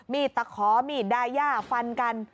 มีตะขอมีดไดย่าฟันกัน